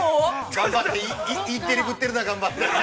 ◆頑張ってインテリぶってるな。